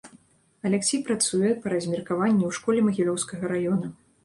Аляксей працуе па размеркаванні ў школе магілёўскага раёна.